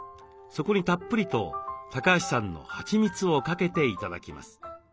そこにたっぷりと橋さんのはちみつをかけて頂きます。